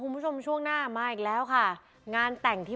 คุณผู้ชมช่วงหน้ามาอีกแล้วค่ะงานแต่งที่